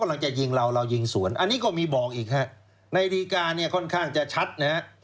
อันนี้ก็มีบอกอีกฮะในริกาเนี่ยค่อนข้างจะชัดนะฮะ